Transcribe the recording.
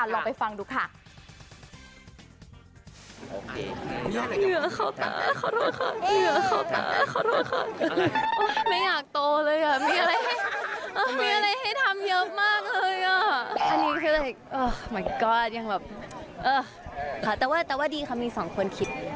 โหเหรอ